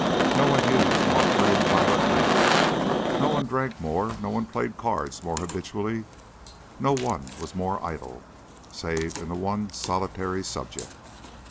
No one used more free and violent language, no one drank more, no one played cards more habitually, no one was more idle, save in the one solitary subject.